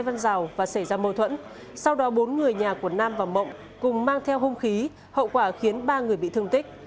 văn rào và xảy ra mâu thuẫn sau đó bốn người nhà của nam và mộng cùng mang theo hung khí hậu quả khiến ba người bị thương tích